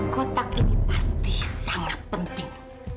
kotak ini pasti sangat penting